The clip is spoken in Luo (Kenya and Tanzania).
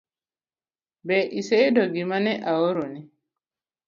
Be iseyudo gimane aoroni?